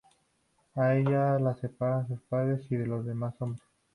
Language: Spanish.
A ella la separan de su padre y de los demás hombres.